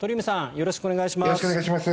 よろしくお願いします。